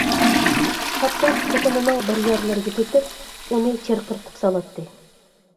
پات-پات خوتۇنىنىڭ بىر يەرلىرىگە پېتىپ، ئۇنى چىرقىرىتىپ سالاتتى.